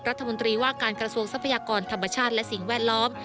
รัฐมนตรีว่าการกระทรวงทรัพยากรธรรมชาติและสิ่งแวดล้อม